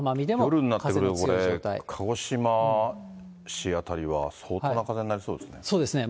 夜になってくると、これ、鹿児島市辺りは相当な風になりそうそうですね。